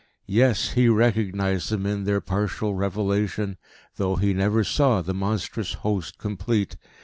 Yes, he recognised them in their partial revelation, though he never saw the monstrous host complete.